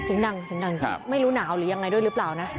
พ่อปู่ฤาษีเทพนรสิงค่ะมีเฮ็ดโฟนเหมือนเฮ็ดโฟนเหมือนเฮ็ดโฟน